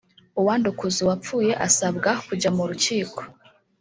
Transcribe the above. uwandukuza uwapfuye asabwa kujya mu rukiko